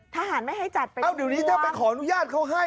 ทหารไม่ให้จัดเป็นเอ้าเดี๋ยวนี้ถ้าไปขออนุญาตเขาให้